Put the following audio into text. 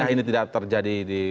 ini tidak terjadi di